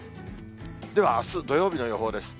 では、あす土曜日の予報です。